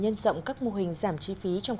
nhân rộng các mô hình giảm chi phí trong